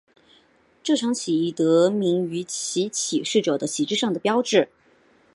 这场起义得名于其起事者的旗帜上的标志。